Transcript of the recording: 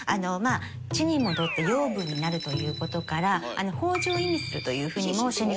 地に戻って養分になるという事から豊穣を意味するというふうにも心理学ではいわれています。